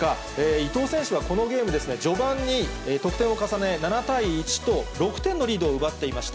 伊藤選手はこのゲーム、序盤に得点を重ね、７対１と６点のリードを奪っていました。